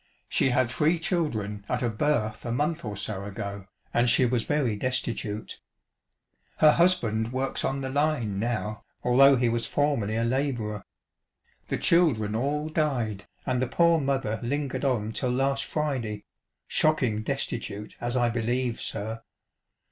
She had three children at a birth a month or so ago, and she was very destitute. Her husband works on the line now, although he was formerly a labourer. The children all died, and the poor mother lingered on till last Friday, shocking destitute as I believe, sir.